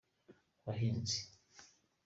abahinzi.